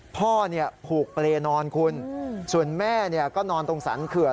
พ่อเนี่ยผูกเปรย์นอนคุณส่วนแม่ก็นอนตรงสรรเขื่อน